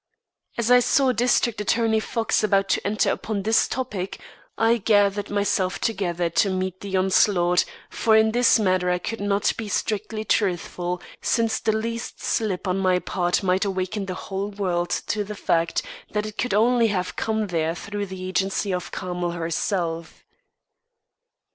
As I saw District Attorney Fox about to enter upon this topic, I gathered myself together to meet the onslaught, for in this matter I could not be strictly truthful, since the least slip on my part might awaken the whole world to the fact that it could only have come there through the agency of Carmel herself.